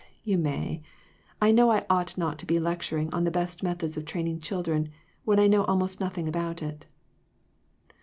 You may ; I know I ought not to be lectur ing on the best methods of training children, when I know almost nothing about it."